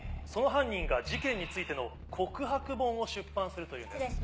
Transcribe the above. その犯人が事件についての告白本を出版するというんです。